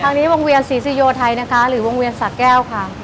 ทางนี้วงเวียนศรีสุริโยธัยนะคะหรือวงเวียนสัตว์แก้วค่ะ